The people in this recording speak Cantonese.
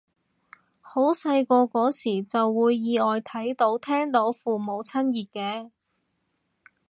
好細個嗰時就會意外睇到聽到父母親熱嘅